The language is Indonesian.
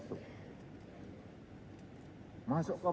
masuk ke markasnya facebook